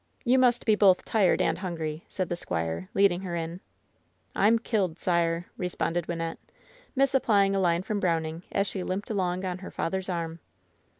You must be both tired and hungry,'' said the squire, leading her in. « Tm killed, sire,' " responded Wynnette, misapplying a line from Browning, as she limped along on her father's arm.